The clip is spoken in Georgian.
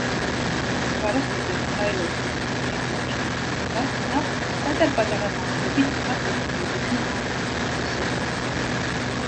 ჯვაროსნები არ დაელოდნენ ძირითადი ჯარის მოსვლას და პატარ-პატარა რაზმებით თავს ესხმოდნენ ახლო მდებარე სოფლებს.